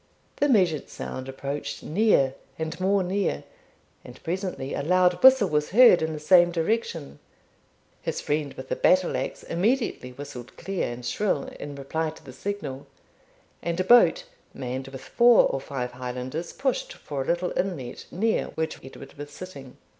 The measured sound approached near and more near, and presently a loud whistle was heard in the same direction. His friend with the battle axe immediately whistled clear and shrill, in reply to the signal, and a boat, manned with four or five Highlanders, pushed for a little inlet, near which Edward was sitting.